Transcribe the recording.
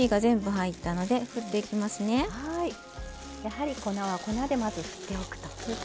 やはり粉は粉でまず振っておくと。